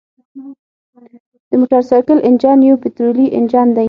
د موټرسایکل انجن یو پطرولي انجن دی.